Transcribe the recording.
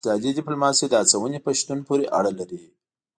اقتصادي ډیپلوماسي د هڅونې په شتون پورې اړه لري